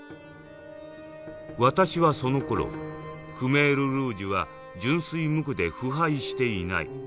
「私はそのころクメール・ルージュは純粋無垢で腐敗していない。